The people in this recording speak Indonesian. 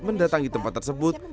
mendatangi tempat tersebut